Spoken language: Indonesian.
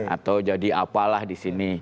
atau jadi apalah di sini